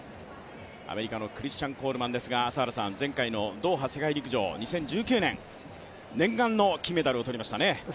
アメリカのクリスチャン・コールマンですが、前回のドーハ世界陸上２０１９年、念願の金メダルをとりましたね。